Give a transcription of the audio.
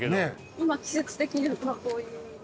今季節的にはこういう。